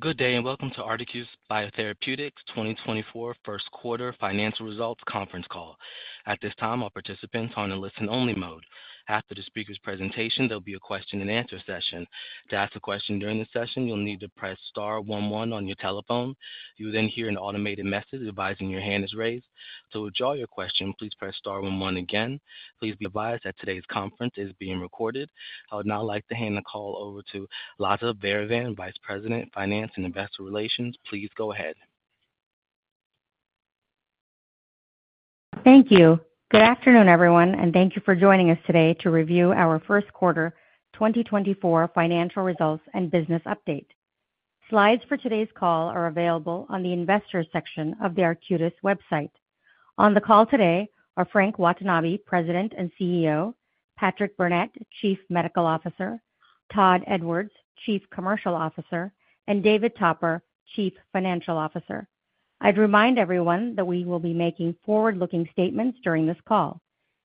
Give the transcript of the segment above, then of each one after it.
Good day, and welcome to Arcutis Biotherapeutics' 2024 first quarter financial results conference call. At this time, all participants are in a listen-only mode. After the speaker's presentation, there'll be a question-and-answer session. To ask a question during the session, you'll need to press star one one on your telephone. You will then hear an automated message advising your hand is raised. To withdraw your question, please press star one one again. Please be advised that today's conference is being recorded. I would now like to hand the call over to Latha Vairavan, Vice President, Finance and Investor Relations. Please go ahead. Thank you. Good afternoon, everyone, and thank you for joining us today to review our first quarter 2024 financial results and business update. Slides for today's call are available on the Investors section of the Arcutis website. On the call today are Frank Watanabe, President and CEO, Patrick Burnett, Chief Medical Officer, Todd Edwards, Chief Commercial Officer, and David Topper, Chief Financial Officer. I'd remind everyone that we will be making forward-looking statements during this call.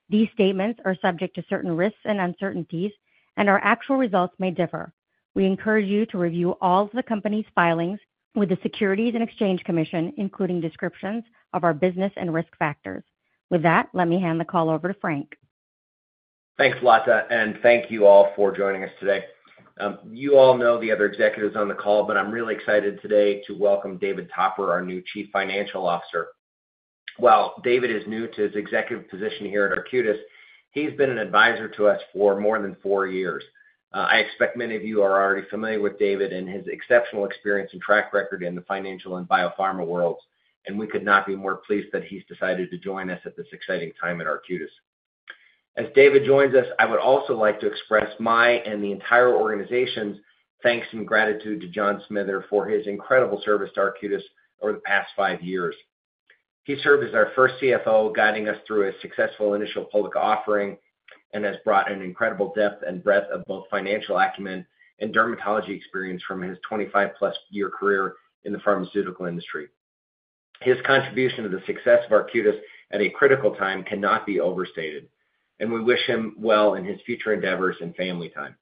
These statements are subject to certain risks and uncertainties, and our actual results may differ. We encourage you to review all of the company's filings with the Securities and Exchange Commission, including descriptions of our business and risk factors. With that, let me hand the call over to Frank. Thanks, Latha, and thank you all for joining us today. You all know the other executives on the call, but I'm really excited today to welcome David Topper, our new Chief Financial Officer. While David is new to his executive position here at Arcutis, he's been an advisor to us for more than four years. I expect many of you are already familiar with David and his exceptional experience and track record in the financial and biopharma worlds, and we could not be more pleased that he's decided to join us at this exciting time at Arcutis. As David joins us, I would also like to express my and the entire organization's thanks and gratitude to John Smither for his incredible service to Arcutis over the past five years. He served as our first CFO, guiding us through a successful initial public offering, and has brought an incredible depth and breadth of both financial acumen and dermatology experience from his 25+-year career in the pharmaceutical industry. His contribution to the success of Arcutis at a critical time cannot be overstated, and we wish him well in his future endeavors and family time.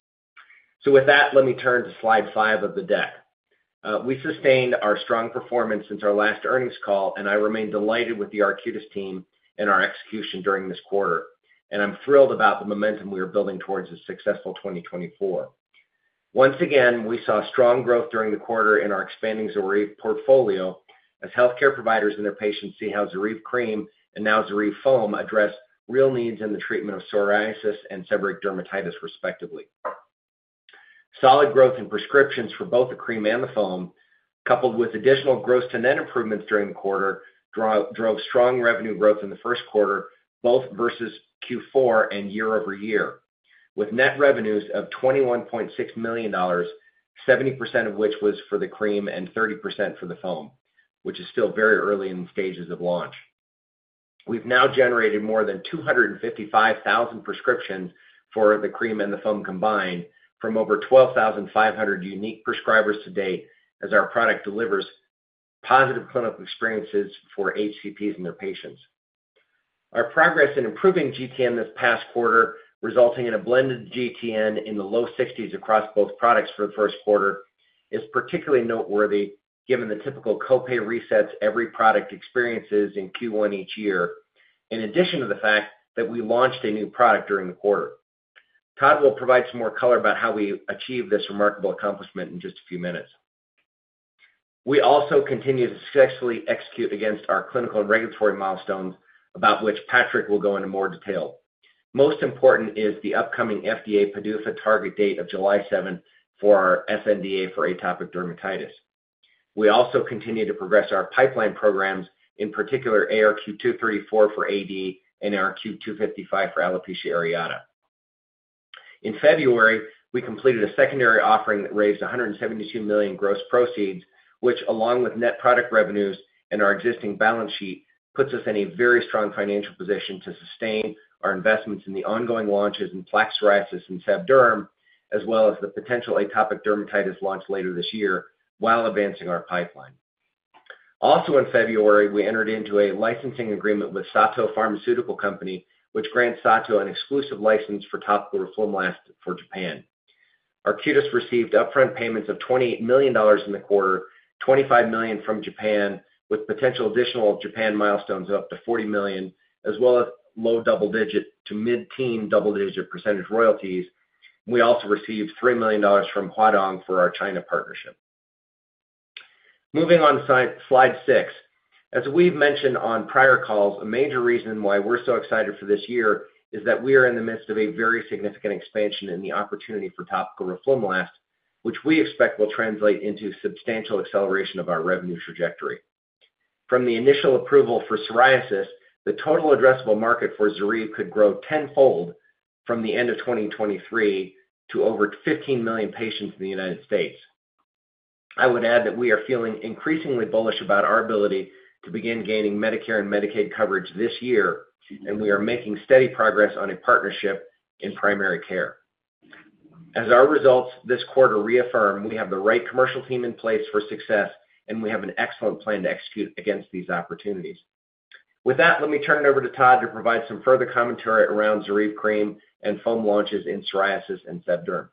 So with that, let me turn to slide five of the deck. We sustained our strong performance since our last earnings call, and I remain delighted with the Arcutis team and our execution during this quarter, and I'm thrilled about the momentum we are building towards a successful 2024. Once again, we saw strong growth during the quarter in our expanding ZORYVE portfolio as healthcare providers and their patients see how ZORYVE cream and now ZORYVE foam address real needs in the treatment of psoriasis and seborrheic dermatitis, respectively. Solid growth in prescriptions for both the cream and the foam, coupled with additional gross-to-net improvements during the quarter, drove strong revenue growth in the first quarter, both versus Q4 and year-over-year, with net revenues of $21.6 million, 70% of which was for the cream and 30% for the foam, which is still very early in the stages of launch. We've now generated more than 255,000 prescriptions for the cream and the foam combined from over 12,500 unique prescribers to date, as our product delivers positive clinical experiences for HCPs and their patients. Our progress in improving GTN this past quarter, resulting in a blended GTN in the low 60s across both products for the first quarter, is particularly noteworthy given the typical copay resets every product experiences in Q1 each year, in addition to the fact that we launched a new product during the quarter. Todd will provide some more color about how we achieved this remarkable accomplishment in just a few minutes. We also continue to successfully execute against our clinical and regulatory milestones, about which Patrick will go into more detail. Most important is the upcoming FDA PDUFA target date of July seventh for our sNDA for atopic dermatitis. We also continue to progress our pipeline programs, in particular, ARQ-234 for AD and ARQ-255 for alopecia areata. In February, we completed a secondary offering that raised $172 million gross proceeds, which, along with net product revenues and our existing balance sheet, puts us in a very strong financial position to sustain our investments in the ongoing launches in plaque psoriasis and SebDerm, as well as the potential atopic dermatitis launch later this year, while advancing our pipeline. Also in February, we entered into a licensing agreement with Sato Pharmaceutical Company, which grants Sato an exclusive license for topical roflumilast for Japan. Arcutis received upfront payments of $28 million in the quarter, $25 million from Japan, with potential additional Japan milestones of up to $40 million, as well as low double-digit to mid-teen double-digit % royalties. We also received $3 million from Huadong for our China partnership. Moving on slide, slide six. As we've mentioned on prior calls, a major reason why we're so excited for this year is that we are in the midst of a very significant expansion in the opportunity for topical roflumilast, which we expect will translate into substantial acceleration of our revenue trajectory. From the initial approval for psoriasis, the total addressable market for ZORYVE could grow tenfold from the end of 2023 to over 15 million patients in the United States. I would add that we are feeling increasingly bullish about our ability to begin gaining Medicare and Medicaid coverage this year, and we are making steady progress on a partnership in primary care. As our results this quarter reaffirm, we have the right commercial team in place for success, and we have an excellent plan to execute against these opportunities. With that, let me turn it over to Todd to provide some further commentary around ZORYVE cream and foam launches in psoriasis and SebDerm.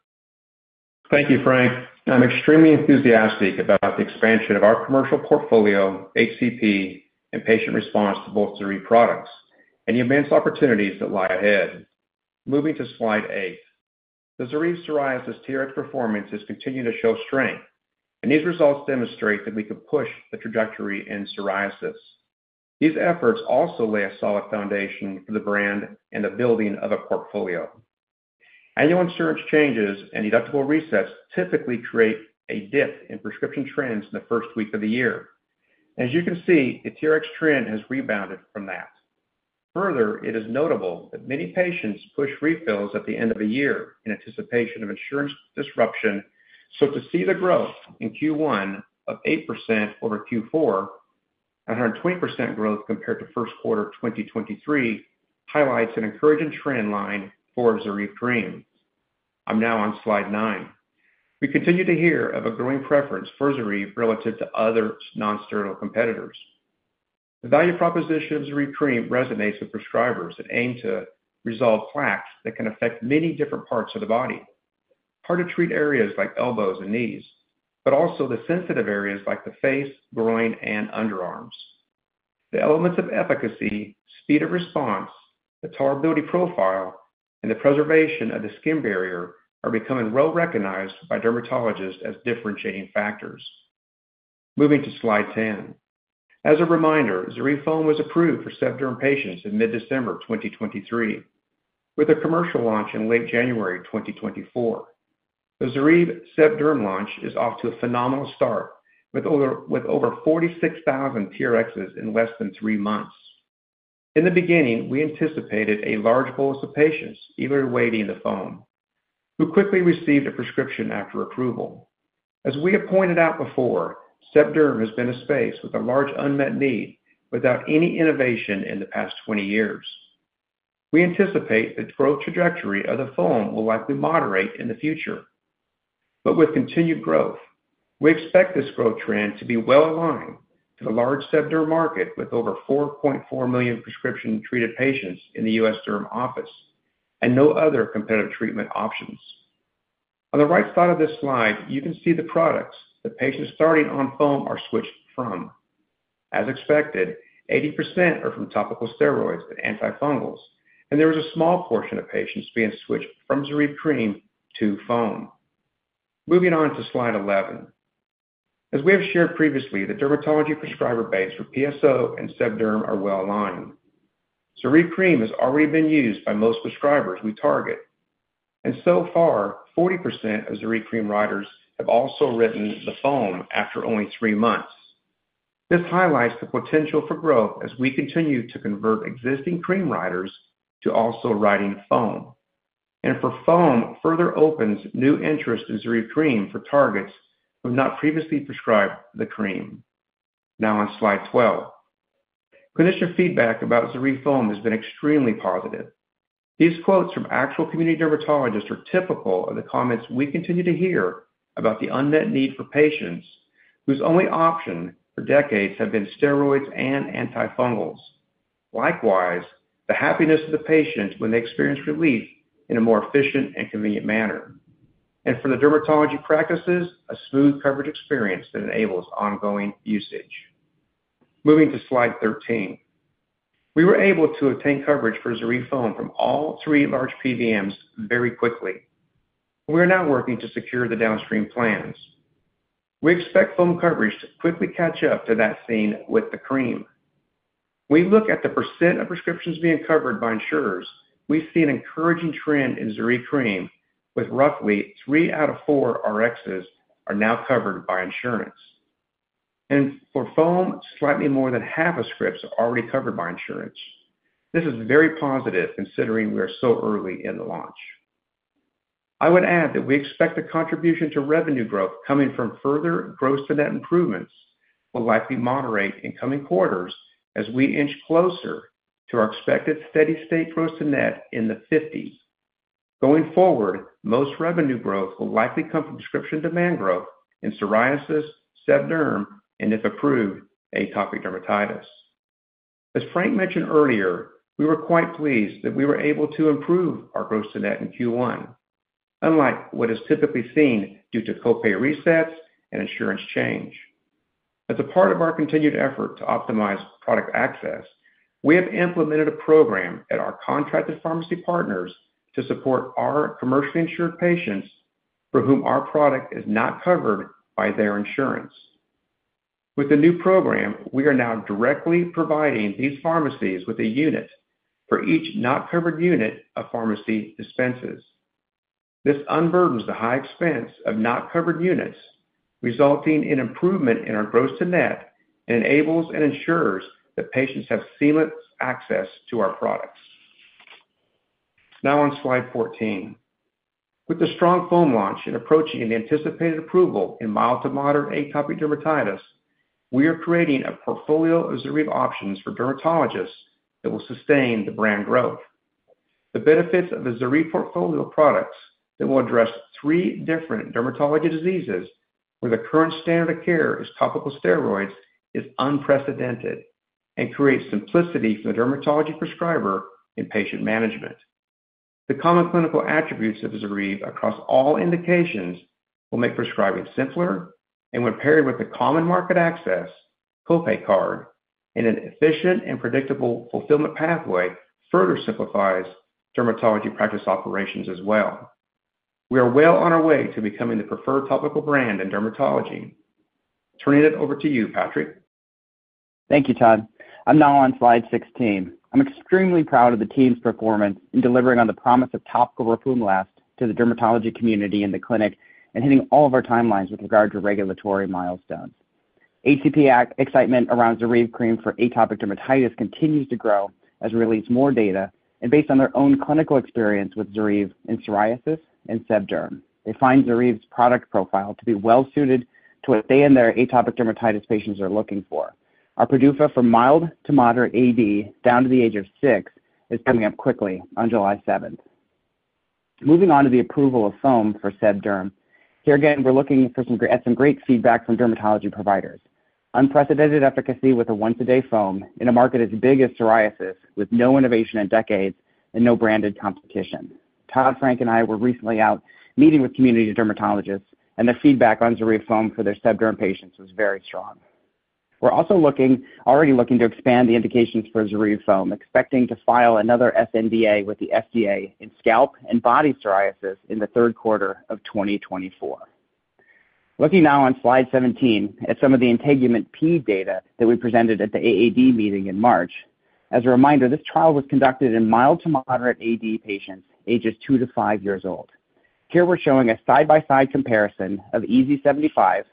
Thank you, Frank. I'm extremely enthusiastic about the expansion of our commercial portfolio, HCP, and patient response to both ZORYVE products, and the advanced opportunities that lie ahead. Moving to slide eight. The ZORYVE psoriasis TRx performance has continued to show strength, and these results demonstrate that we could push the trajectory in psoriasis. These efforts also lay a solid foundation for the brand and the building of a portfolio. Annual insurance changes and deductible resets typically create a dip in prescription trends in the first week of the year. As you can see, the TRx trend has rebounded from that. Further, it is notable that many patients push refills at the end of the year in anticipation of insurance disruption. So to see the growth in Q1 of 8% over Q4, 120% growth compared to first quarter 2023, highlights an encouraging trend line for ZORYVE cream. I'm now on slide nine. We continue to hear of a growing preference for ZORYVE relative to other non-steroidal competitors. The value proposition of ZORYVE cream resonates with prescribers that aim to resolve plaques that can affect many different parts of the body, hard-to-treat areas like elbows and knees, but also the sensitive areas like the face, groin, and underarms. The elements of efficacy, speed of response, the tolerability profile, and the preservation of the skin barrier are becoming well recognized by dermatologists as differentiating factors. Moving to slide 10. As a reminder, ZORYVE foam was approved for Seb Derm patients in mid-December 2023, with a commercial launch in late January 2024. The ZORYVE Seb Derm launch is off to a phenomenal start, with over 46,000 TRx in less than three months. In the beginning, we anticipated a large pool of patients either awaiting the foam, who quickly received a prescription after approval. As we have pointed out before, Seb Derm has been a space with a large unmet need without any innovation in the past 20 years. We anticipate the growth trajectory of the foam will likely moderate in the future, but with continued growth. We expect this growth trend to be well aligned to the large Seb Derm market, with over 4.4 million prescription-treated patients in the U.S. derm office and no other competitive treatment options. On the right side of this slide, you can see the products that patients starting on foam are switched from. As expected, 80% are from topical steroids and antifungals, and there is a small portion of patients being switched from ZORYVE cream to foam. Moving on to slide 11. As we have shared previously, the dermatology prescriber base for PSO and Seb Derm are well aligned. ZORYVE cream has already been used by most prescribers we target, and so far, 40% of ZORYVE cream writers have also written the foam after only three months. This highlights the potential for growth as we continue to convert existing cream writers to also writing foam, and for foam, further opens new interest in ZORYVE cream for targets who have not previously prescribed the cream. Now on slide 12. Clinician feedback about ZORYVE foam has been extremely positive. These quotes from actual community dermatologists are typical of the comments we continue to hear about the unmet need for patients whose only option for decades have been steroids and antifungals. Likewise, the happiness of the patients when they experience relief in a more efficient and convenient manner. For the dermatology practices, a smooth coverage experience that enables ongoing usage. Moving to slide 13. We were able to obtain coverage for ZORYVE foam from all three large PBMs very quickly. We are now working to secure the downstream plans. We expect foam coverage to quickly catch up to that seen with the cream. We look at the percent of prescriptions being covered by insurers, we see an encouraging trend in ZORYVE cream, with roughly three out of four Rxs are now covered by insurance. And for foam, slightly more than half of scripts are already covered by insurance. This is very positive, considering we are so early in the launch. I would add that we expect the contribution to revenue growth coming from further gross to net improvements will likely moderate in coming quarters as we inch closer to our expected steady state gross to net in the fifties. Going forward, most revenue growth will likely come from prescription demand growth in psoriasis, Seb Derm, and if approved, atopic dermatitis. As Frank mentioned earlier, we were quite pleased that we were able to improve our gross to net in Q1, unlike what is typically seen due to copay resets and insurance change. As a part of our continued effort to optimize product access, we have implemented a program at our contracted pharmacy partners to support our commercially insured patients for whom our product is not covered by their insurance. With the new program, we are now directly providing these pharmacies with a unit for each not-covered unit a pharmacy dispenses. This unburdens the high expense of not-covered units, resulting in improvement in our gross to net, and enables and ensures that patients have seamless access to our products. Now on slide 14. With the strong foam launch and approaching the anticipated approval in mild to moderate atopic dermatitis, we are creating a portfolio of ZORYVE options for dermatologists that will sustain the brand growth.... The benefits of the ZORYVE portfolio products that will address three different dermatology diseases, where the current standard of care is topical steroids, is unprecedented and creates simplicity for the dermatology prescriber in patient management. The common clinical attributes of ZORYVE across all indications will make prescribing simpler, and when paired with the common market access copay card, and an efficient and predictable fulfillment pathway, further simplifies dermatology practice operations as well. We are well on our way to becoming the preferred topical brand in dermatology. Turning it over to you, Patrick. Thank you, Todd. I'm now on slide 16. I'm extremely proud of the team's performance in delivering on the promise of topical roflumilast to the dermatology community in the clinic and hitting all of our timelines with regard to regulatory milestones. HCP excitement around ZORYVE cream for atopic dermatitis continues to grow as we release more data, and based on their own clinical experience with ZORYVE in psoriasis and SebDerm, they find ZORYVE's product profile to be well suited to what they and their atopic dermatitis patients are looking for. Our PDUFA for mild to moderate AD, down to the age of six, is coming up quickly on July seventh. Moving on to the approval of foam for SebDerm. Here again, we're looking for some great feedback from dermatology providers. Unprecedented efficacy with a once-a-day foam in a market as big as psoriasis, with no innovation in decades and no branded competition. Todd, Frank, and I were recently out meeting with community dermatologists, and the feedback on ZORYVE foam for their SebDerm patients was very strong. We're also already looking to expand the indications for ZORYVE foam, expecting to file another sNDA with the FDA in scalp and body psoriasis in the third quarter of 2024. Looking now on slide 17 at some of the INTEGUMENT-PED data that we presented at the AAD meeting in March. As a reminder, this trial was conducted in mild to moderate AD patients, ages two to five years old. Here we're showing a side-by-side comparison of EASI-75,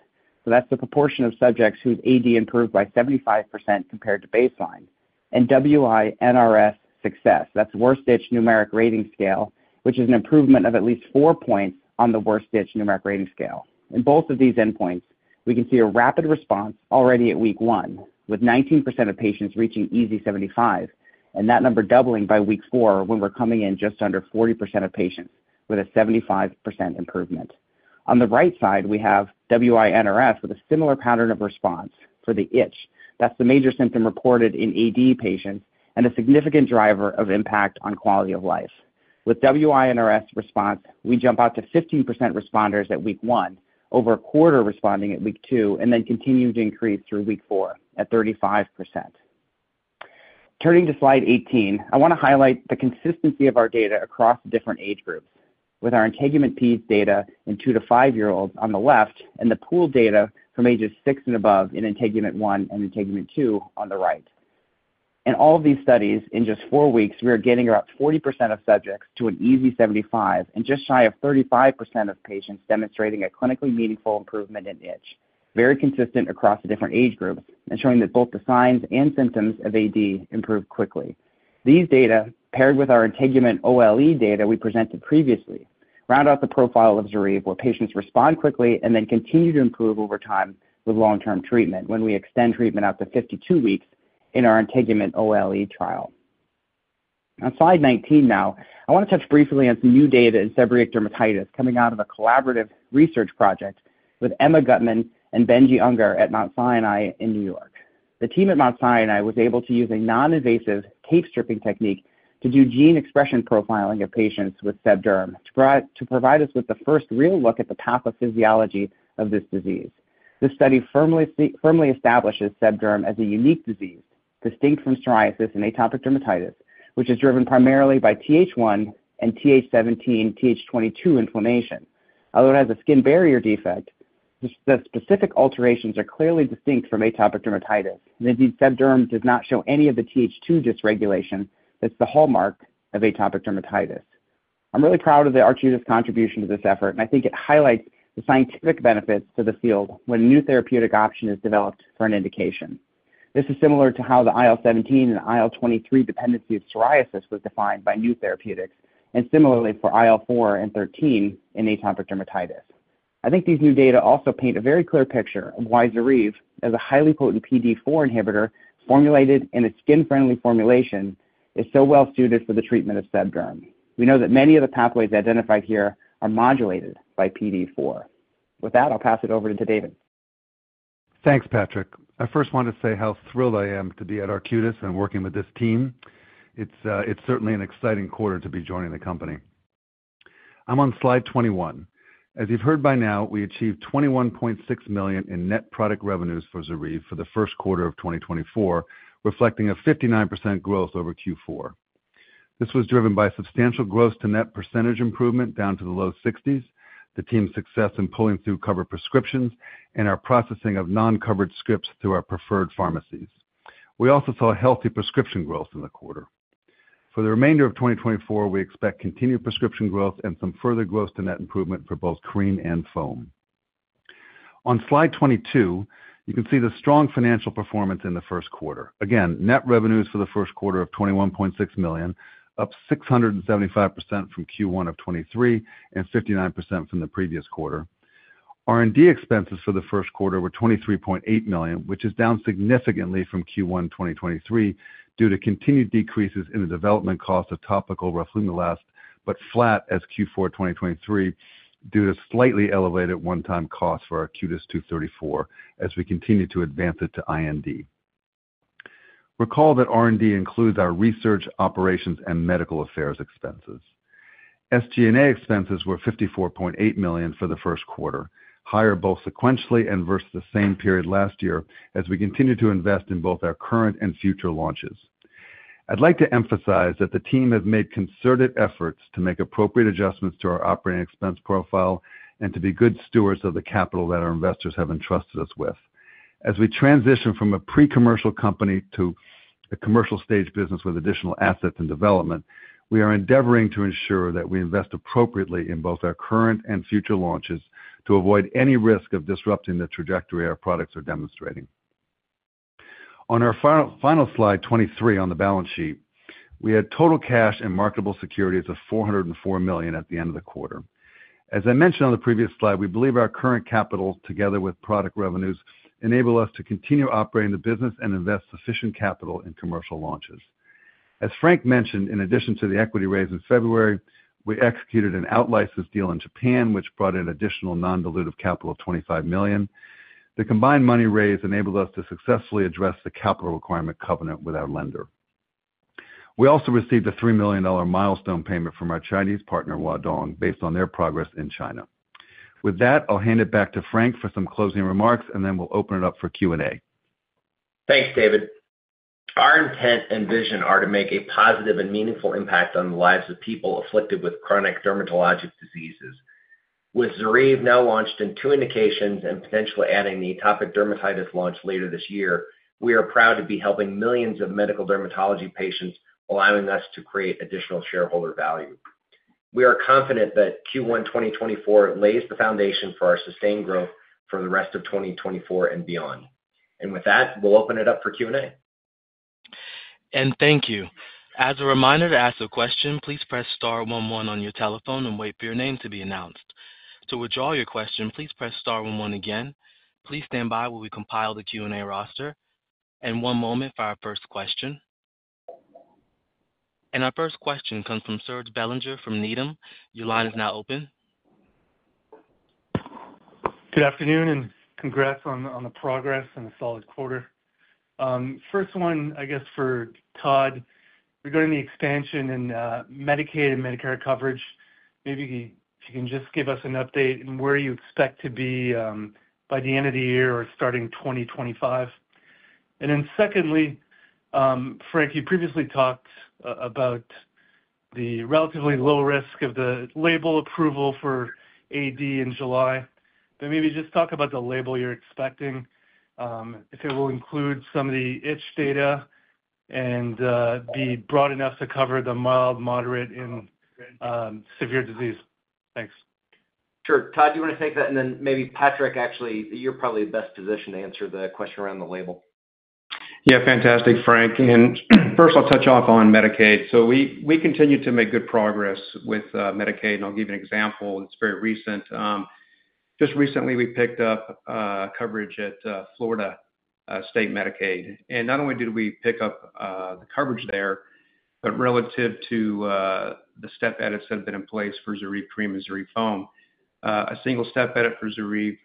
so that's the proportion of subjects whose AD improved by 75% compared to baseline, and WI-NRS success. That's Worst Itch Numeric Rating Scale, which is an improvement of at least four points on the Worst Itch Numeric Rating Scale. In both of these endpoints, we can see a rapid response already at week 1, with 19% of patients reaching EASI-75, and that number doubling by week 4, when we're coming in just under 40% of patients with a 75% improvement. On the right side, we have WI-NRS with a similar pattern of response for the itch. That's the major symptom reported in AD patients and a significant driver of impact on quality of life. With WI-NRS response, we jump out to 15% responders at week 1, over a quarter responding at week 2, and then continue to increase through week 4 at 35%. Turning to slide 18, I want to highlight the consistency of our data across different age groups with our INTEGUMENT-PED's data in two to five-year-olds on the left, and the pooled data from ages six and above in INTEGUMENT-1 and INTEGUMENT-2 on the right. In all of these studies, in just 4 weeks, we are getting about 40% of subjects to an EASI-75, and just shy of 35% of patients demonstrating a clinically meaningful improvement in itch, very consistent across the different age groups and showing that both the signs and symptoms of AD improve quickly. These data, paired with our INTEGUMENT-OLE data we presented previously, round out the profile of ZORYVE, where patients respond quickly and then continue to improve over time with long-term treatment when we extend treatment out to 52 weeks in our INTEGUMENT-OLE trial. On slide 19 now, I want to touch briefly on some new data in seborrheic dermatitis coming out of a collaborative research project with Emma Guttman-Yassky and Benjamin Ungar at Mount Sinai in New York. The team at Mount Sinai was able to use a non-invasive tape stripping technique to do gene expression profiling of patients with SebDerm, to provide us with the first real look at the pathophysiology of this disease. This study firmly establishes SebDerm as a unique disease, distinct from psoriasis and atopic dermatitis, which is driven primarily by TH1 and TH17, TH22 inflammation. Although it has a skin barrier defect, the specific alterations are clearly distinct from atopic dermatitis, and indeed, SebDerm does not show any of the TH2 dysregulation that's the hallmark of atopic dermatitis. I'm really proud of the Arcutis contribution to this effort, and I think it highlights the scientific benefits to the field when a new therapeutic option is developed for an indication. This is similar to how the IL-17 and IL-23 dependency of psoriasis was defined by new therapeutics, and similarly for IL-4 and 13 in atopic dermatitis. I think these new data also paint a very clear picture of why ZORYVE, as a highly potent PDE4 inhibitor, formulated in a skin-friendly formulation, is so well suited for the treatment of SebDerm. We know that many of the pathways identified here are modulated by PDE4. With that, I'll pass it over to David. Thanks, Patrick. I first want to say how thrilled I am to be at Arcutis and working with this team. It's, it's certainly an exciting quarter to be joining the company. I'm on slide 21. As you've heard by now, we achieved $21.6 million in net product revenues for ZORYVE for the first quarter of 2024, reflecting a 59% growth over Q4. This was driven by substantial gross to net percentage improvement down to the low sixties, the team's success in pulling through covered prescriptions, and our processing of non-covered scripts through our preferred pharmacies. We also saw healthy prescription growth in the quarter. For the remainder of 2024, we expect continued prescription growth and some further gross to net improvement for both cream and foam. On slide 22, you can see the strong financial performance in the first quarter. Again, net revenues for the first quarter of $21.6 million, up 675% from Q1 of 2023, and 59% from the previous quarter. R&D expenses for the first quarter were $23.8 million, which is down significantly from Q1 2023, due to continued decreases in the development cost of topical roflumilast, but flat as Q4 2023, due to slightly elevated one-time costs for our ARQ-234 as we continue to advance it to IND. Recall that R&D includes our research, operations, and medical affairs expenses. SG&A expenses were $54.8 million for the first quarter, higher both sequentially and versus the same period last year, as we continue to invest in both our current and future launches. I'd like to emphasize that the team has made concerted efforts to make appropriate adjustments to our operating expense profile and to be good stewards of the capital that our investors have entrusted us with. As we transition from a pre-commercial company to a commercial stage business with additional assets and development, we are endeavoring to ensure that we invest appropriately in both our current and future launches to avoid any risk of disrupting the trajectory our products are demonstrating. On our final, final slide, 23, on the balance sheet, we had total cash and marketable securities of $404 million at the end of the quarter. As I mentioned on the previous slide, we believe our current capital, together with product revenues, enable us to continue operating the business and invest sufficient capital in commercial launches. As Frank mentioned, in addition to the equity raise in February, we executed an out-license deal in Japan, which brought in additional non-dilutive capital of $25 million. The combined money raised enabled us to successfully address the capital requirement covenant with our lender. We also received a $3 million milestone payment from our Chinese partner, Huadong, based on their progress in China. With that, I'll hand it back to Frank for some closing remarks, and then we'll open it up for Q&A. Thanks, David. Our intent and vision are to make a positive and meaningful impact on the lives of people afflicted with chronic dermatologic diseases. With ZORYVE now launched in two indications and potentially adding the atopic dermatitis launch later this year, we are proud to be helping millions of medical dermatology patients, allowing us to create additional shareholder value. We are confident that Q1 2024 lays the foundation for our sustained growth for the rest of 2024 and beyond. With that, we'll open it up for Q&A. And thank you. As a reminder, to ask a question, please press star one one on your telephone and wait for your name to be announced. To withdraw your question, please press star one one again. Please stand by while we compile the Q&A roster. And one moment for our first question. And our first question comes from Serge Belanger from Needham. Your line is now open. Good afternoon, and congrats on the progress and a solid quarter. First one, I guess, for Todd, regarding the expansion in Medicaid and Medicare coverage, maybe if you can just give us an update on where you expect to be by the end of the year or starting 2025. Then secondly, Frank, you previously talked about the relatively low risk of the label approval for AD in July, but maybe just talk about the label you're expecting if it will include some of the itch data and be broad enough to cover the mild, moderate, and severe disease. Thanks. Sure. Todd, do you want to take that? And then maybe, Patrick, actually, you're probably best positioned to answer the question around the label. Yeah. Fantastic, Frank. And first, I'll touch off on Medicaid. So we, we continue to make good progress with, Medicaid. I'll give you an example, and it's very recent. Just recently, we picked up, coverage at, Florida State Medicaid. And not only did we pick up, the coverage there, but relative to, the step edits that have been in place for ZORYVE cream and ZORYVE foam, a single step edit for ZORYVE,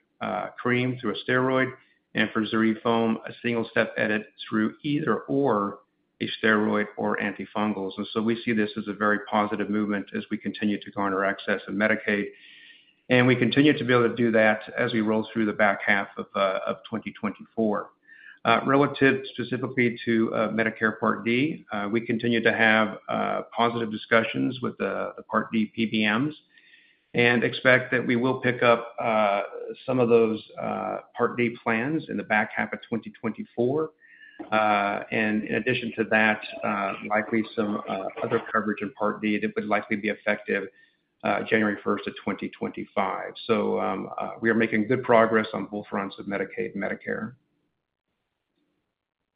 cream through a steroid, and for ZORYVE foam, a single step edit through either or a steroid or antifungals. And so we see this as a very positive movement as we continue to garner access in Medicaid, and we continue to be able to do that as we roll through the back half of, of 2024. Relative specifically to Medicare Part D, we continue to have positive discussions with the Part D PBMs, and expect that we will pick up some of those Part D plans in the back half of 2024. In addition to that, likely some other coverage in Part D, it would likely be effective January 1, 2025. We are making good progress on both fronts with Medicaid and Medicare.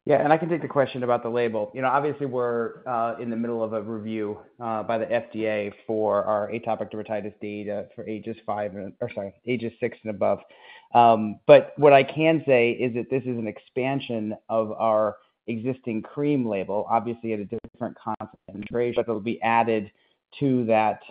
Yeah, and I can take the question about the label. You know, obviously, we're in the middle of a review by the FDA for our atopic dermatitis data for ages six and above. But what I can say is that this is an expansion of our existing cream label, obviously, at a different concentration, but it will be added to that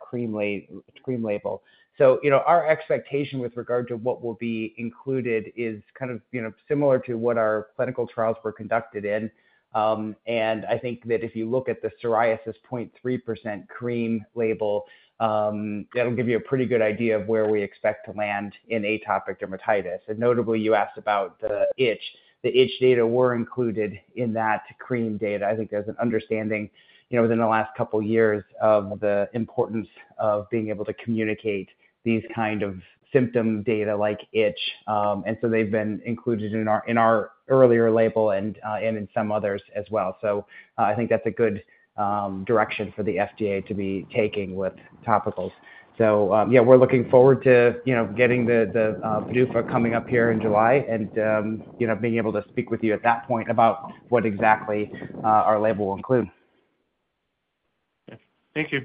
cream label. So, you know, our expectation with regard to what will be included is kind of, you know, similar to what our clinical trials were conducted in. And I think that if you look at the psoriasis 0.3% cream label, that'll give you a pretty good idea of where we expect to land in atopic dermatitis. And notably, you asked about the itch. The itch data were included in that cream data. I think there's an understanding, you know, within the last couple of years of the importance of being able to communicate these kind of symptom data like itch. And so they've been included in our earlier label and in some others as well. So I think that's a good direction for the FDA to be taking with topicals. So, yeah, we're looking forward to, you know, getting the PDUFA coming up here in July and, you know, being able to speak with you at that point about what exactly our label will include. ... Thank you.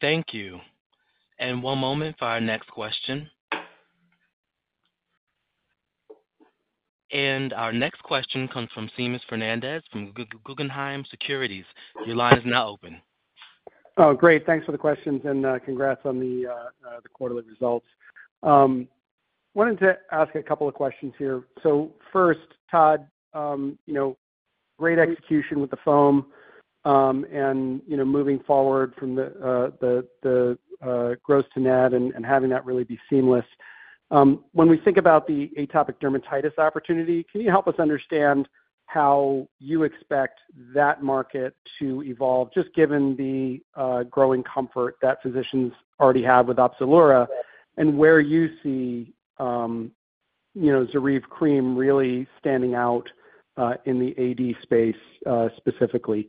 Thank you. One moment for our next question. Our next question comes from Seamus Fernandez from Guggenheim Securities. Your line is now open. Oh, great. Thanks for the questions, and, congrats on the quarterly results. Wanted to ask a couple of questions here. So first, Todd, you know, great execution with the foam, and, you know, moving forward from the gross to net and having that really be seamless. When we think about the atopic dermatitis opportunity, can you help us understand how you expect that market to evolve, just given the growing comfort that physicians already have with Opzelura, and where you see, you know, ZORYVE cream really standing out in the AD space, specifically?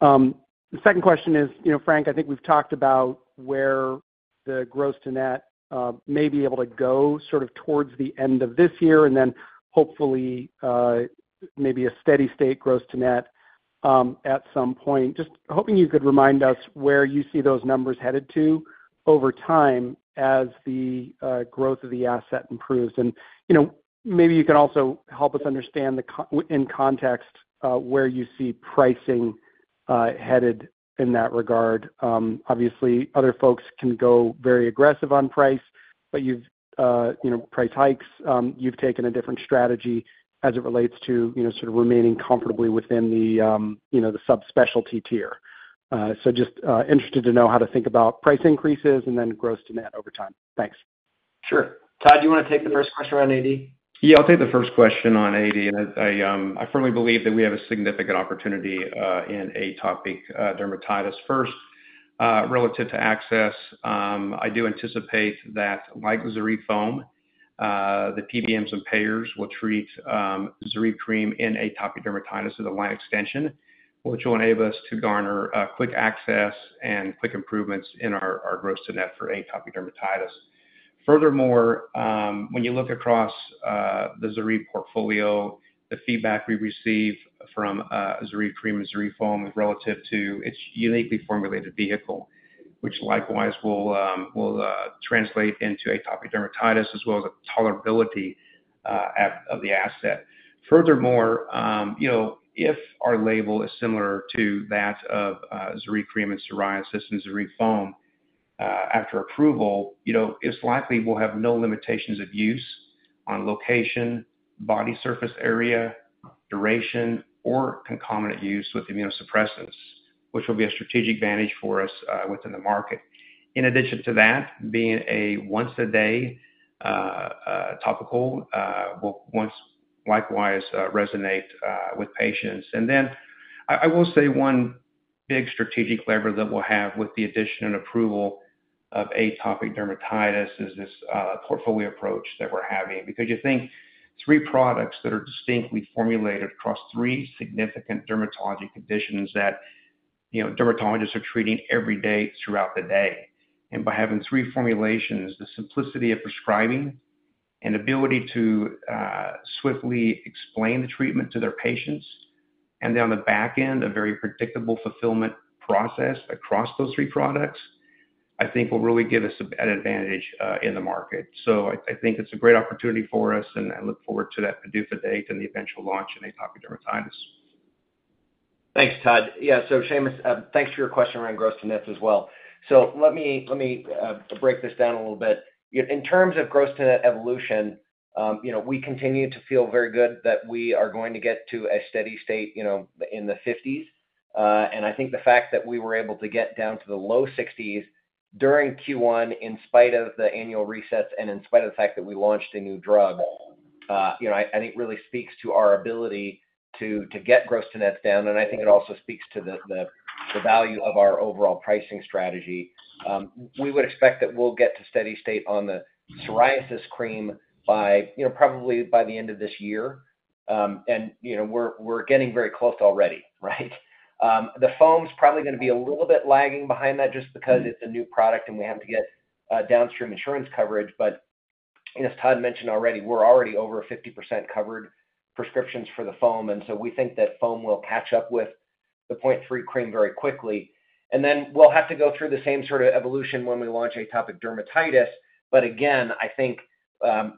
The second question is, you know, Frank, I think we've talked about where the gross to net may be able to go sort of towards the end of this year, and then hopefully, maybe a steady state gross to net at some point. Just hoping you could remind us where you see those numbers headed to over time as the growth of the asset improves. You know, maybe you can also help us understand in context where you see pricing headed in that regard. Obviously, other folks can go very aggressive on price, but you've, you know, price hikes, you've taken a different strategy as it relates to, you know, sort of remaining comfortably within the, you know, the subspecialty tier. So just interested to know how to think about price increases and then gross to net over time. Thanks. Sure. Todd, do you wanna take the first question around AD? Yeah, I'll take the first question on AD, and I firmly believe that we have a significant opportunity in atopic dermatitis. First, relative to access, I do anticipate that, like ZORYVE foam, the PBMs and payers will treat ZORYVE cream in atopic dermatitis as a line extension, which will enable us to garner quick access and quick improvements in our gross to net for atopic dermatitis. Furthermore, when you look across the ZORYVE portfolio, the feedback we receive from ZORYVE cream and ZORYVE foam relative to its uniquely formulated vehicle, which likewise will translate into atopic dermatitis, as well as a tolerability of the asset. Furthermore, you know, if our label is similar to that of ZORYVE cream and psoriasis and ZORYVE foam, after approval, you know, it's likely we'll have no limitations of use on location, body surface area, duration, or concomitant use with immunosuppressants, which will be a strategic advantage for us within the market. In addition to that, being a once-a-day topical will likewise resonate with patients. And then I will say one big strategic lever that we'll have with the addition and approval of atopic dermatitis is this portfolio approach that we're having. Because you think three products that are distinctly formulated across three significant dermatology conditions that, you know, dermatologists are treating every day throughout the day. By having three formulations, the simplicity of prescribing and ability to swiftly explain the treatment to their patients, and on the back end, a very predictable fulfillment process across those three products, I think will really give us an advantage in the market. So I think it's a great opportunity for us, and I look forward to that PDUFA date and the eventual launch in atopic dermatitis. Thanks, Todd. Yeah, so Seamus, thanks for your question around gross to nets as well. So let me break this down a little bit. In terms of gross to net evolution, you know, we continue to feel very good that we are going to get to a steady state, you know, in the fifties. And I think the fact that we were able to get down to the low sixties during Q1, in spite of the annual resets and in spite of the fact that we launched a new drug, you know, and it really speaks to our ability to get gross to nets down, and I think it also speaks to the value of our overall pricing strategy. We would expect that we'll get to steady state on the psoriasis cream by, you know, probably by the end of this year. And, you know, we're getting very close already, right? The foam's probably gonna be a little bit lagging behind that just because it's a new product, and we have to get downstream insurance coverage. But as Todd mentioned already, we're already over 50% covered prescriptions for the foam, and so we think that foam will catch up with the 0.3 cream very quickly. And then we'll have to go through the same sort of evolution when we launch atopic dermatitis. But again, I think,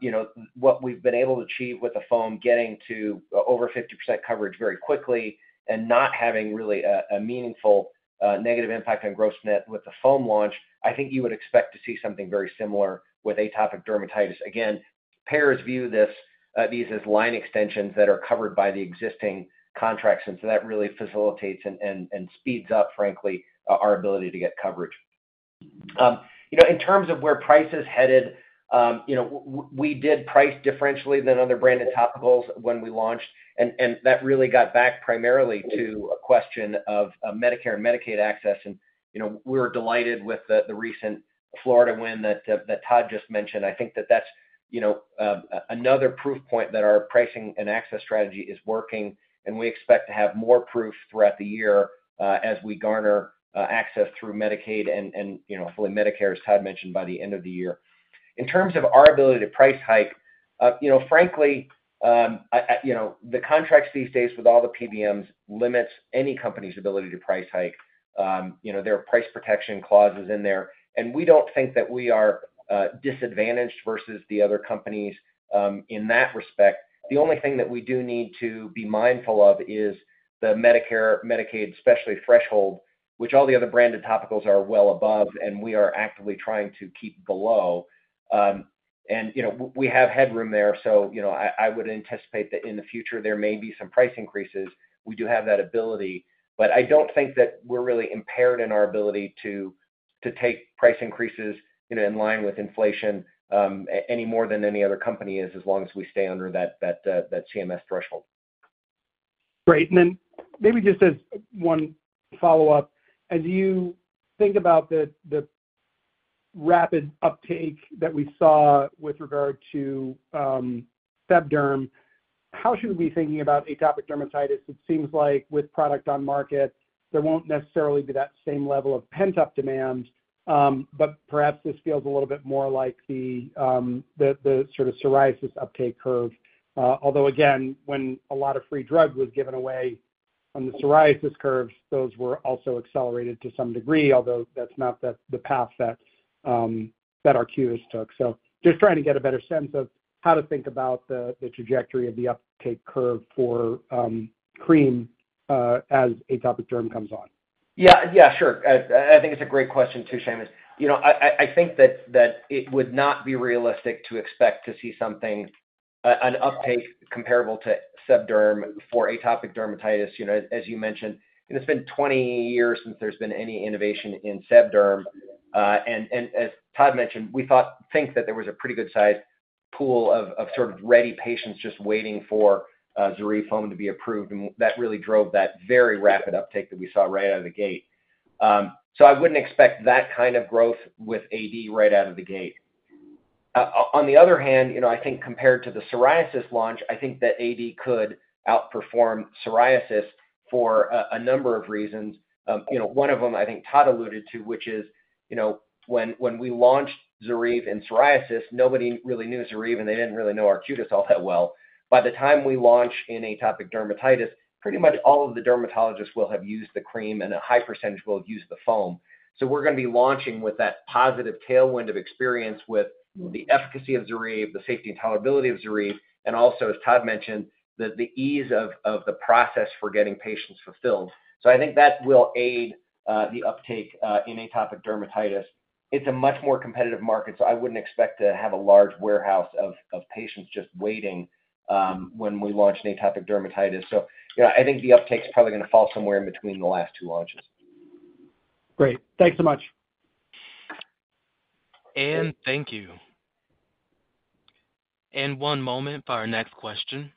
you know, what we've been able to achieve with the foam, getting to over 50% coverage very quickly and not having really a meaningful negative impact on gross net with the foam launch, I think you would expect to see something very similar with atopic dermatitis. Again, payers view this, these as line extensions that are covered by the existing contracts, and so that really facilitates and speeds up, frankly, our ability to get coverage. You know, in terms of where price is headed, you know, we did price differentially than other branded topicals when we launched, and that really got back primarily to a question of Medicare and Medicaid access. And, you know, we're delighted with the recent Florida win that that Todd just mentioned. I think that that's, you know, another proof point that our pricing and access strategy is working, and we expect to have more proof throughout the year, as we garner access through Medicaid and, you know, fully Medicare, as Todd mentioned, by the end of the year. In terms of our ability to price hike. You know, frankly, I, you know, the contracts these days with all the PBMs limits any company's ability to price hike. You know, there are price protection clauses in there, and we don't think that we are disadvantaged versus the other companies in that respect. The only thing that we do need to be mindful of is the Medicare, Medicaid, specialty threshold, which all the other branded topicals are well above, and we are actively trying to keep below. And, you know, we have headroom there, so, you know, I would anticipate that in the future, there may be some price increases. We do have that ability, but I don't think that we're really impaired in our ability to take price increases, you know, in line with inflation, any more than any other company is, as long as we stay under that CMS threshold. Great. And then maybe just as one follow-up, as you think about the rapid uptake that we saw with regard to SebDerm, how should we be thinking about atopic dermatitis? It seems like with product on market, there won't necessarily be that same level of pent-up demand, but perhaps this feels a little bit more like the sort of psoriasis uptake curve. Although, again, when a lot of free drug was given away on the psoriasis curves, those were also accelerated to some degree, although that's not the path that Arcutis took. So just trying to get a better sense of how to think about the trajectory of the uptake curve for cream, as atopic derm comes on. Yeah, yeah, sure. I think it's a great question, too, Seamus. You know, I think that it would not be realistic to expect to see something an uptake comparable to SebDerm for atopic dermatitis. You know, as you mentioned, it's been 20 years since there's been any innovation in SebDerm. And as Todd mentioned, we think that there was a pretty good size pool of sort of ready patients just waiting for ZORYVE foam to be approved, and that really drove that very rapid uptake that we saw right out of the gate. So I wouldn't expect that kind of growth with AD right out of the gate. On the other hand, you know, I think compared to the psoriasis launch, I think that AD could outperform psoriasis for a number of reasons. You know, one of them, I think Todd alluded to, which is, you know, when, when we launched ZORYVE in psoriasis, nobody really knew ZORYVE, and they didn't really know Arcutis all that well. By the time we launch in atopic dermatitis, pretty much all of the dermatologists will have used the cream, and a high percentage will have used the foam. So we're gonna be launching with that positive tailwind of experience with the efficacy of ZORYVE, the safety and tolerability of ZORYVE, and also, as Todd mentioned, the ease of the process for getting patients fulfilled. So I think that will aid the uptake in atopic dermatitis. It's a much more competitive market, so I wouldn't expect to have a large warehouse of patients just waiting, when we launch in atopic dermatitis. So, yeah, I think the uptake is probably gonna fall somewhere in between the last two launches. Great. Thanks so much. Thank you. One moment for our next question.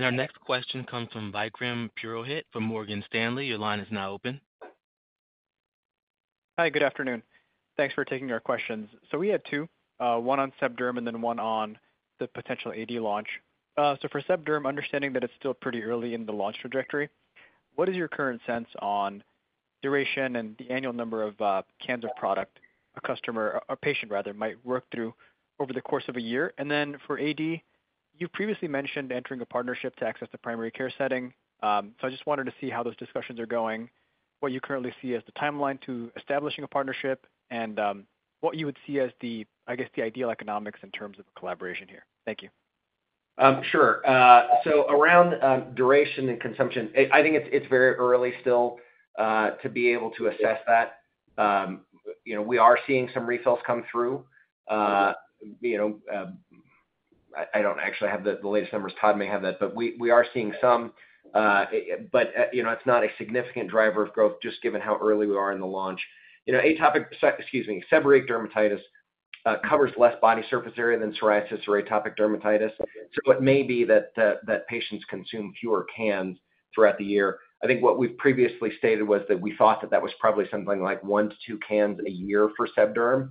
Our next question comes from Vikram Purohit from Morgan Stanley. Your line is now open. Hi, good afternoon. Thanks for taking our questions. So we had two, one on SebDerm and then one on the potential AD launch. So for SebDerm, understanding that it's still pretty early in the launch trajectory, what is your current sense on duration and the annual number of cans of product a customer, or patient rather, might work through over the course of a year? And then for AD, you previously mentioned entering a partnership to access the primary care setting. So I just wanted to see how those discussions are going, what you currently see as the timeline to establishing a partnership, and what you would see as the, I guess, the ideal economics in terms of the collaboration here. Thank you. Sure. So around duration and consumption, I think it's very early still to be able to assess that. You know, we are seeing some refills come through. You know, I don't actually have the latest numbers. Todd may have that, but we are seeing some, but you know, it's not a significant driver of growth, just given how early we are in the launch. You know, atopic, excuse me, seborrheic dermatitis covers less body surface area than psoriasis or atopic dermatitis. So it may be that patients consume fewer cans throughout the year. I think what we've previously stated was that we thought that that was probably something like 1-2 cans a year for SebDerm.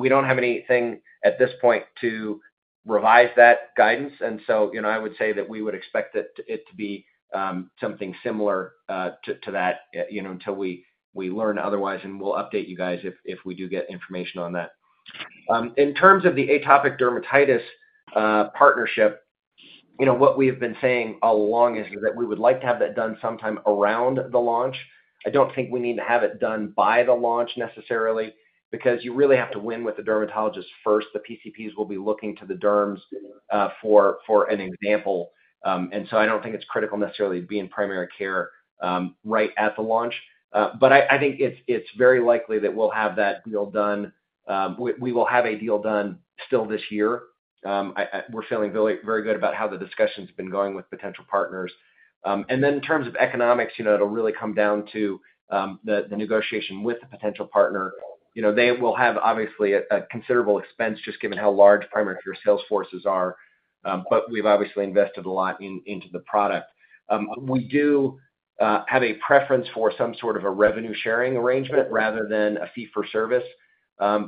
We don't have anything at this point to revise that guidance, and so, you know, I would say that we would expect it to be something similar to that, you know, until we learn otherwise, and we'll update you guys if we do get information on that. In terms of the atopic Dermatitis partnership, you know, what we have been saying all along is that we would like to have that done sometime around the launch. I don't think we need to have it done by the launch necessarily, because you really have to win with the dermatologist first. The PCPs will be looking to the derms for an example. And so I don't think it's critical necessarily to be in primary care right at the launch. But I think it's very likely that we'll have that deal done, we will have a deal done still this year. We're feeling really very good about how the discussion's been going with potential partners. And then in terms of economics, you know, it'll really come down to the negotiation with the potential partner. You know, they will have, obviously, a considerable expense just given how large primary care sales forces are, but we've obviously invested a lot in, into the product. We do have a preference for some sort of a revenue-sharing arrangement rather than a fee for service,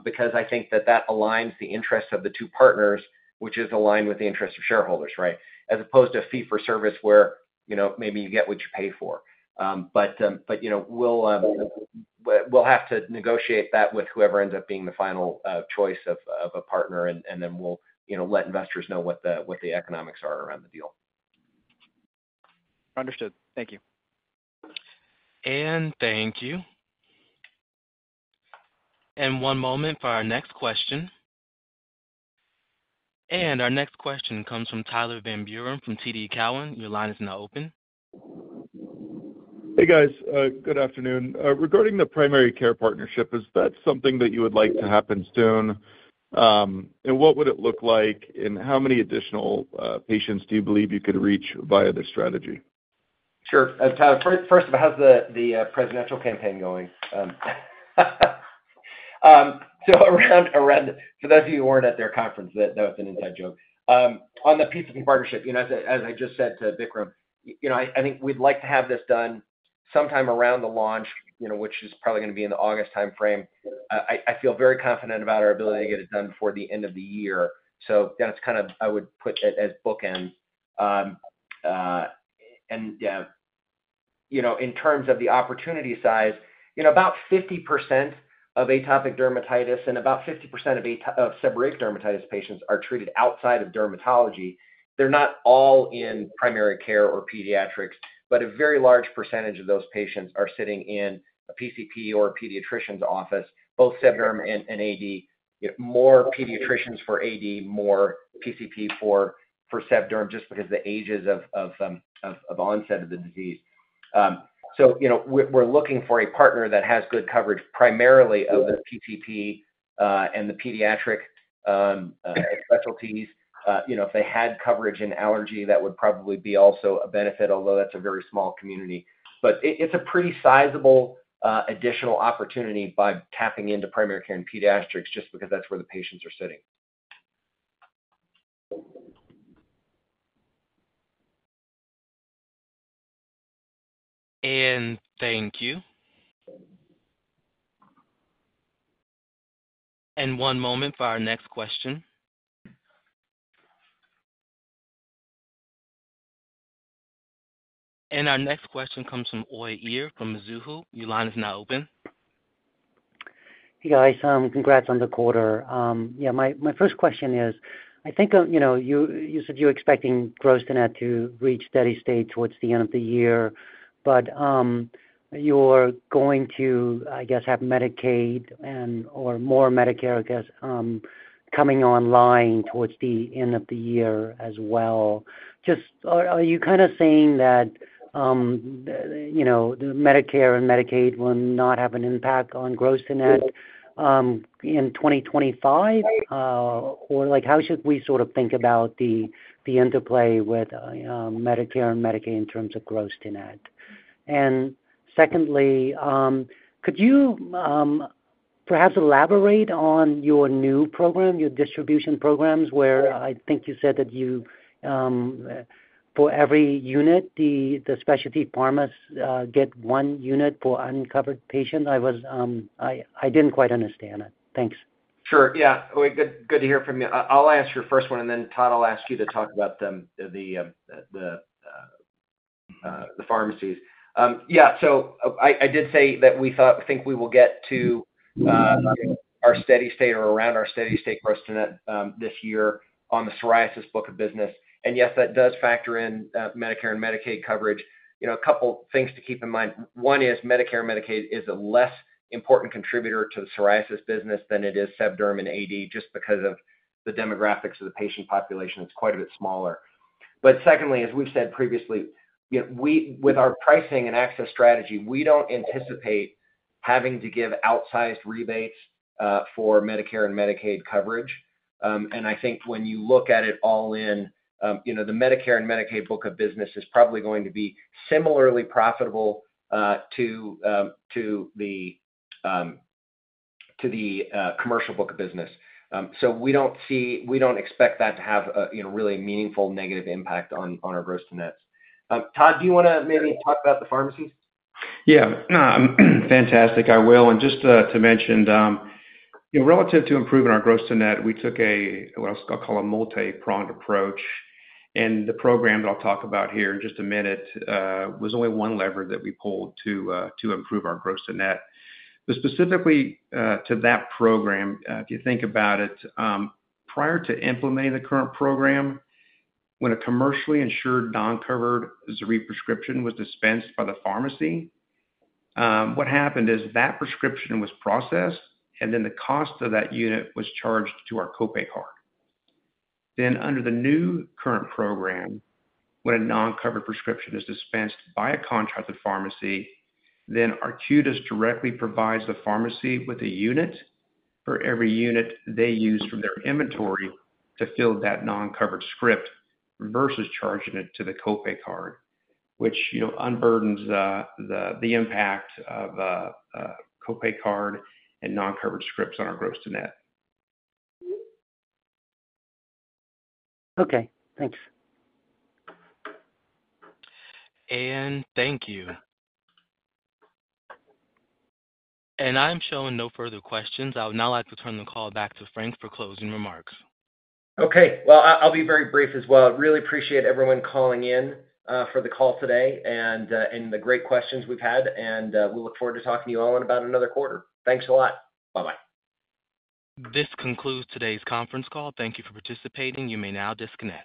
because I think that that aligns the interests of the two partners, which is aligned with the interests of shareholders, right? As opposed to a fee for service where, you know, maybe you get what you pay for. But you know, we'll have to negotiate that with whoever ends up being the final choice of a partner, and then we'll, you know, let investors know what the economics are around the deal. ...Understood. Thank you. Thank you. One moment for our next question. Our next question comes from Tyler Van Buren from TD Cowen. Your line is now open. Hey, guys. Good afternoon. Regarding the primary care partnership, is that something that you would like to happen soon? And what would it look like, and how many additional patients do you believe you could reach via this strategy? Sure. Tyler, first, how's the presidential campaign going? So, for those of you who weren't at their conference, that was an inside joke. On the PCP partnership, you know, as I just said to Vikram, you know, I think we'd like to have this done sometime around the launch, you know, which is probably gonna be in the August timeframe. I feel very confident about our ability to get it done before the end of the year. So that's kind of... I would put it as bookend. And yeah, you know, in terms of the opportunity size, you know, about 50% of atopic dermatitis and about 50% of seborrheic dermatitis patients are treated outside of dermatology. They're not all in primary care or pediatrics, but a very large percentage of those patients are sitting in a PCP or a pediatrician's office, both SebDerm and AD. More pediatricians for AD, more PCP for SebDerm, just because the ages of onset of the disease. So, you know, we're looking for a partner that has good coverage, primarily of the PCP and the pediatric specialties. You know, if they had coverage in allergy, that would probably be also a benefit, although that's a very small community. But it's a pretty sizable additional opportunity by tapping into primary care and pediatrics just because that's where the patients are sitting. Thank you. One moment for our next question. Our next question comes from Uy Ear from Mizuho. Your line is now open. Hey, guys, congrats on the quarter. Yeah, my first question is, I think, you know, you said you're expecting gross net to reach steady state towards the end of the year, but you're going to, I guess, have Medicaid and/or more Medicare, I guess, coming online towards the end of the year as well. Just are you kind of saying that, you know, the Medicare and Medicaid will not have an impact on gross net in 2025? Or like, how should we sort of think about the interplay with Medicare and Medicaid in terms of gross net? And secondly, could you perhaps elaborate on your new program, your distribution programs, where I think you said that you for every unit, the specialty pharmas get one unit for uncovered patients? I was, I didn't quite understand it. Thanks. Sure. Yeah, Uy, good, good to hear from you. I'll answer your first one, and then, Todd, I'll ask you to talk about them, the pharmacies. Yeah, so I did say that we think we will get to our steady state or around our steady state gross net this year on the psoriasis book of business, and yes, that does factor in Medicare and Medicaid coverage. You know, a couple things to keep in mind. One is Medicare/Medicaid is a less important contributor to the psoriasis business than it is SebDerm and AD, just because of the demographics of the patient population. It's quite a bit smaller. But secondly, as we've said previously, you know, we with our pricing and access strategy, we don't anticipate having to give outsized rebates for Medicare and Medicaid coverage. And I think when you look at it all in, you know, the Medicare and Medicaid book of business is probably going to be similarly profitable to the commercial book of business. So we don't expect that to have a, you know, really meaningful negative impact on our gross-to-nets. Todd, do you wanna maybe talk about the pharmacies? Yeah. Fantastic. I will, and just to mention, you know, relative to improving our gross to net, we took a, what I'll call a multi-pronged approach. And the program that I'll talk about here in just a minute was only one lever that we pulled to improve our gross to net. But specifically, to that program, if you think about it, prior to implementing the current program, when a commercially insured, non-covered ZORYVE prescription was dispensed by the pharmacy, what happened is that prescription was processed, and then the cost of that unit was charged to our copay card. Then, under the new current program, when a non-covered prescription is dispensed by a contracted pharmacy, then Arcutis directly provides the pharmacy with a unit for every unit they use from their inventory to fill that non-covered script, versus charging it to the copay card, which, you know, unburdens the impact of copay card and non-covered scripts on our gross to net. Okay, thanks. Thank you. I'm showing no further questions. I would now like to turn the call back to Frank for closing remarks. Okay, well, I'll be very brief as well. Really appreciate everyone calling in for the call today and the great questions we've had, and we look forward to talking to you all in about another quarter. Thanks a lot. Bye-bye. This concludes today's conference call. Thank you for participating. You may now disconnect.